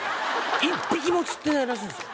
１匹も釣ってないらしいんですよ。